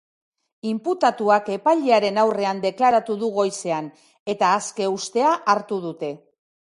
Inputatuak epailearen aurrean deklaratu du goizean, eta aske uztea hartu dute.